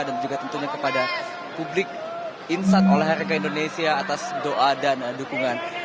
dan juga tentunya kepada publik insat oleh rk indonesia atas doa dan dukungan